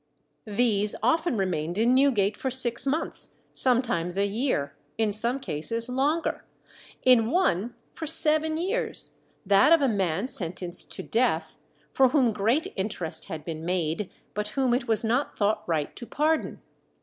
These often remained in Newgate for six months, sometimes a year, in some cases longer; in one, for seven years that of a man sentenced to death, for whom great interest had been made, but whom it was not thought right to pardon.